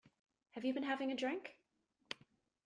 Have you been having a drink?